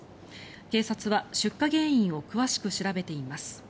警察は、出火原因を詳しく調べています。